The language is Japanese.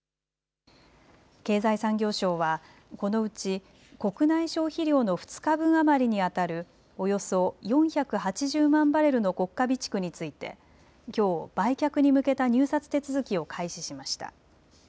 経済産業省はこのうち国内消費量の２日分余りにあたるおよそ４８０万バレルの国家備蓄についてきょう売却に向けた入札手続きを開始しました。